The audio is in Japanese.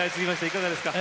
いかがですか？